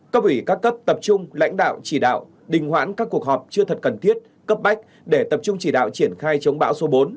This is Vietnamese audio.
cấp ủy các cấp tập trung lãnh đạo chỉ đạo đình hoãn các cuộc họp chưa thật cần thiết cấp bách để tập trung chỉ đạo triển khai chống bão số bốn